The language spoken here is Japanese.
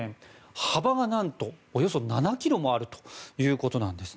幅が何とおよそ７ｋｍもあるということなんです。